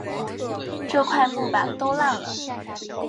这块木板都烂了